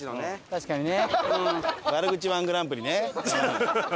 確かにね。